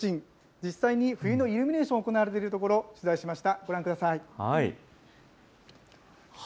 実際に冬のイルミネーションが行われている所、取材しました。